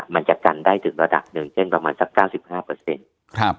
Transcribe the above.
มันจะกันได้ถึงระดับหนึ่งเช่นประมาณสัก๙๕